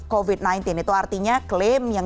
covid sembilan belas itu artinya klaim yang